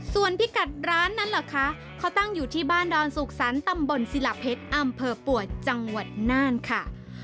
ส่วนพิกัดร้านนั้นเหรอคะเขาตั้งอยู่ที่บ้านดอนสุขสรรคตำบลศิลาเพชรอำเภอปวดจังหวัดน่านค่ะ